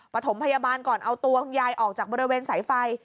ประถมพยาบาลก่อนเอาตัวคุณยายออกจากบริเวณสายไฟ